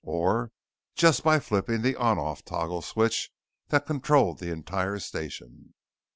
Or just by flipping the "ON OFF" toggle switch that controlled the entire station.